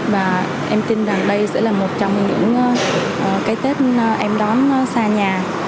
và em tin rằng đây sẽ là một trong những cái tết em đón xa nhà